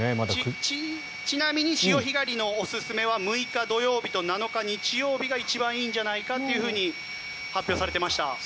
ちなみに潮干狩りのおすすめは６日土曜日と７日、日曜日が一番いいんじゃないかと発表されていました。